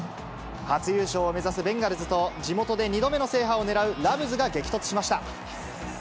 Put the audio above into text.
初優勝を目指すベンガルズと、地元で２度目の制覇をねらうラムズが激突しました。